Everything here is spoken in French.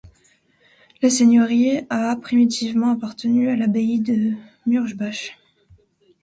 La Seigneurie a primitivement appartenu à l'Abbaye de Murbach.